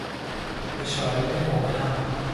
اشارهی مبهم